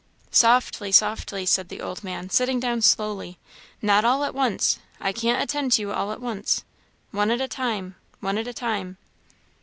"Softly softly," said the old man, sitting down, slowly; "not all at once; I can't attend to you all at once; one at a time one at a time."